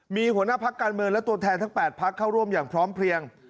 มีหัวหน้าพักการเมืองและตัวแทนทั้ง๘พักเข้าร่วมอย่างพร้อมเพลียง